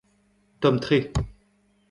tomm-tre